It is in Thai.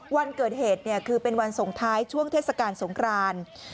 วันเกิดเหตุคือเป็นวันส่งท้ายช่วงเทศกาลสงคราน